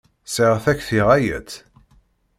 Sɛiɣ takti ɣaya-tt.